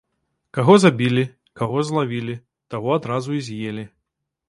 Каго забілі, каго злавілі, таго адразу і з'елі.